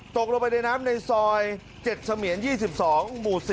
ตกลงไปในน้ำในซอย๗เสมียน๒๒หมู่๔